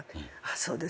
そうですか。